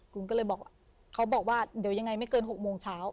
ก็เลยบอกว่าเขาบอกว่าเดี๋ยวยังไงไม่เกิน๖โมงเช้า